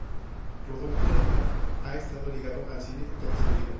Rodolfo de Anda ha estado ligado al cine toda su vida.